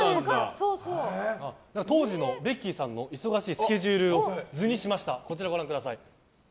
当時のベッキーさんの忙しいスケジュールを図にしました。